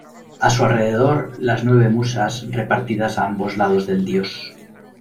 A su alrededor, las nueve musas, repartidas a ambos lados del dios.